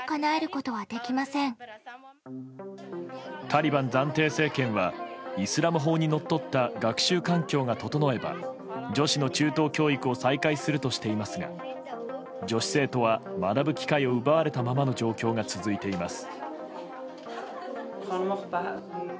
タリバン暫定政権はイスラム法にのっとった学習環境が整えば女子の中等教育を再開するとしていますが女子生徒は学ぶ機会を奪われたままの状況が続いています。